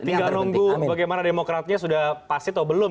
tinggal nunggu bagaimana demokratnya sudah pasti atau belum